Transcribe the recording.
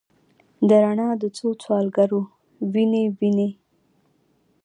د رڼا د څوسوالګرو، وینې، وینې